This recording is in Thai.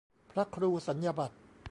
พระครูสัญญาบัตร